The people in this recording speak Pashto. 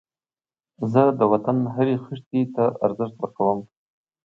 زه د وطن هرې خښتې ته ارزښت ورکوم